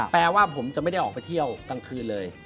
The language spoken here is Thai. แปลว่าผมจะไม่ได้ออกไปเที่ยวกลางคืนเลย